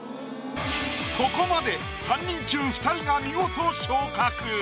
ここまで３人中２人が見事昇格。